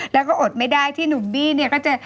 แล้วก็อดไม่ได้ที่หนุ่มบี้เนี่ยก็จะ